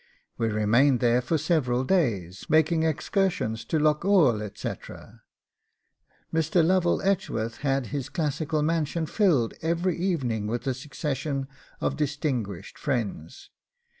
'We remained there for several days, making excursions to Loch Oel, etc. Mr. Lovell Edgeworth had his classical mansion filled every evening with a succession of distinguished friends.